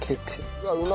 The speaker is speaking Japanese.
うわっうま